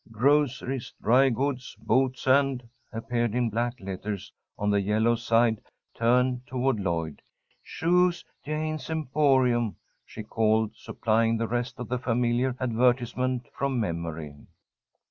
"Groceries, Dry Goods, Boots and" appeared in black letters on the yellow side turned toward Lloyd. "Shoes. Jayne's Emporium," she called, supplying the rest of the familiar advertisement from memory.